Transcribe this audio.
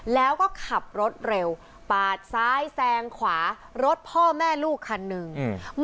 แล้วก็ขับรถเร็วปาดซ้ายแซงขวารถพ่อแม่ลูกคันหนึ่งอืม